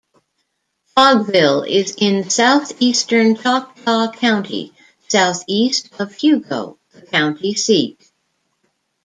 Frogville is in southeastern Choctaw County southeast of Hugo, the county seat.